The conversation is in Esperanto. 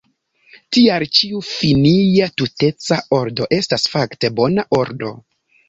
Tial ĉiu finia tuteca ordo estas fakte bona ordo.